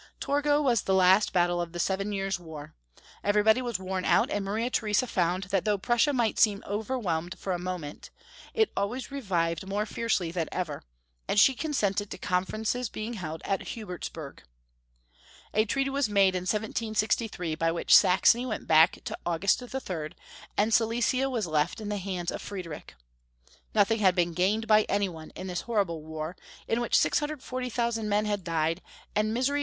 Torgau was the last battle of the Seven Years' War. Everybody was worn out, and Maria The resa foimd that though Prussia might seem over whelmed for a moment, it always revived more fiercely than ever, and she consented to conferences being held at Hubertsberg. A treaty was made in 1763 by which Saxony went back to August III., and Silesia was left in the hands of Friedrich. Nothing had been gained by anyone in this horrible war, in which 640,000 men had died, and misery Franz 1.